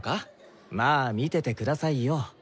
まあ見ててくださいよ。